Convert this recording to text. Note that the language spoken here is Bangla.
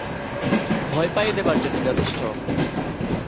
ভয় পাইয়ে দেবার জন্য যথেষ্ট।